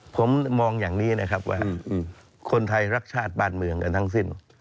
ผมมองอย่างนี้นะครับว่าคนไทยรักชาติบ้านเมืองกันทั้งสิ้น